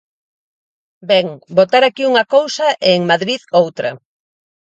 Ben, votar aquí unha cousa e en Madrid outra.